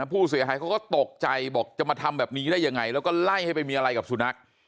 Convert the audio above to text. ผู้เสียหายเขาก็ตกใจบอกจะมาทำแบบนี้ได้ยังไงแล้วก็ไล่ให้ไปมีอะไรกับสุนัข